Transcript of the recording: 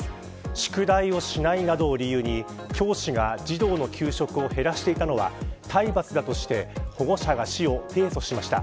宿題をしないなどを理由に教師が児童の給食を減らしていたのは体罰だとして保護者が市を提訴しました。